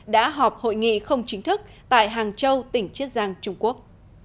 đã họp hội nghị không chính thức tại hàng châu tỉnh chiết giang trung quốc